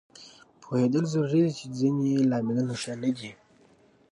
پوهېدل ضروري دي چې ځینې لاملونه ښه نه دي